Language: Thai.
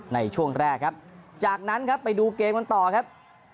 ในช่วงแรกครับจากนั้นครับไปดูเกมกันต่อครับ